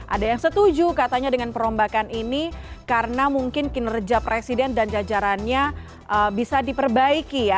ada yang setuju katanya dengan perombakan ini karena mungkin kinerja presiden dan jajarannya bisa diperbaiki ya